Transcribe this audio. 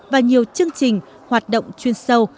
và nhiều chương trình hoạt động chuyên sâu